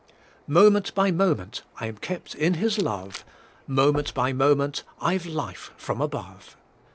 Moment by moment I'm kept in His love, Moment by moment I've life from above.